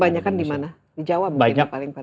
banyak kan di mana di jawa mungkin yang paling banyak